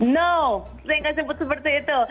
no saya nggak sebut seperti itu